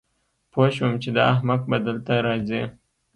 پوه شوم چې دا احمق به دلته راځي